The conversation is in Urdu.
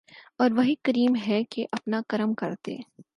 او ر وہی کریم ہے کہ اپنا کرم کردے ۔